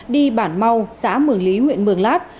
đi bản mau xã mường lý huyện mường lát